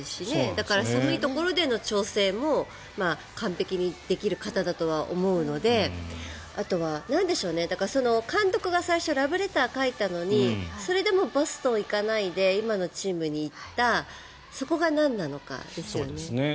だから寒いところでの調整も完璧にできる方だとは思うのであとは監督が最初ラブレターを書いたのにそれでもボストンに行かないで今のチームに行ったそこがなんなのかですよね。